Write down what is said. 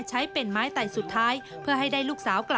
จึงเผยแพร่คลิปนี้ออกมา